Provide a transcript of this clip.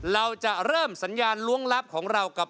เราจะเริ่มสัญญาณล้วงลับของเรากับ